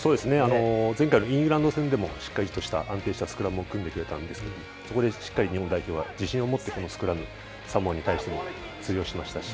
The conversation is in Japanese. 前回のイングランド戦でもしっかりとした安定したスクラムを組んでくれたので、そこでしっかり日本代表は自信を持ってスクラム、サモアに対しても通用しましたし